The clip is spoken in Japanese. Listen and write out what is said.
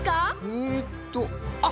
えっとあっ